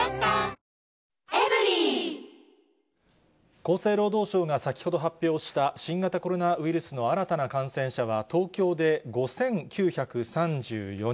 厚生労働省が先ほど発表した新型コロナウイルスの新たな感染者は東京で５９３４人。